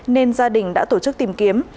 nên gia đình đã tổ chức tìm kiếm